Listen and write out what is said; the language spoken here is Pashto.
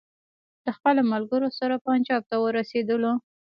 له خپلو ملګرو سره پنجاب ته ورسېدلو.